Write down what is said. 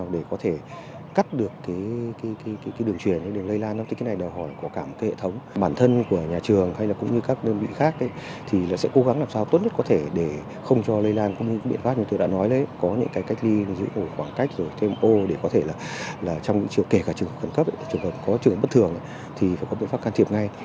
để có thể là trong những trường kể cả trường khẩn cấp trường hợp có trường bất thường thì phải có biện pháp can thiệp ngay